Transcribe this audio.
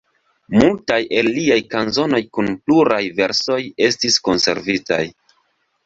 Multaj el liaj kanzonoj kun pluraj versoj estis konservitaj.